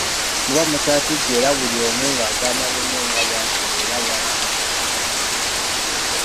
Muba mukyatijja era buli omu ng'agamba munne nga bwatalya era bw'atanywa nga tamulabyeko.